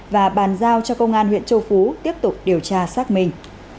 và bàn giao cho công an huyện châu phú tiếp tục điều tra xác minh